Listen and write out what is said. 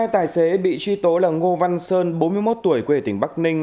hai tài xế bị truy tố là ngô văn sơn bốn mươi một tuổi quê tỉnh bắc ninh